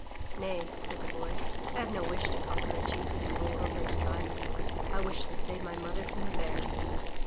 Nay," said the Boy, *1 have no wish to conquer a chief and rule over his tribe. I wish to save my mother from the Bear."